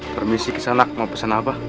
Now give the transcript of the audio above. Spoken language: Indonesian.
permisi kesana mau pesan apa